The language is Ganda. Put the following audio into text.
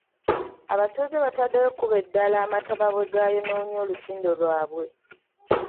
Abatuuze bataddewo ekkubo eddala amataba bwe gayonoonye olutindo lwaabwe.